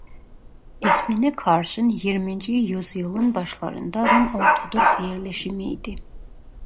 İsmine karşın yirminci yüzyılın başlarında Rum Ortodoks yerleşimiydi.